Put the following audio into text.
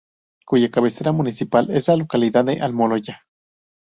Cuya cabecera municipal es la localidad de Almoloya.